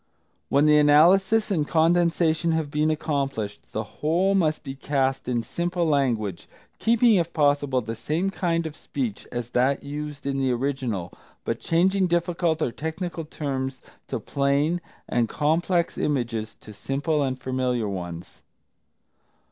When the analysis and condensation have been accomplished, the whole must be cast in simple language, keeping if possible the same kind of speech as that used in the original, but changing difficult or technical terms to plain, and complex images to simple and familiar ones.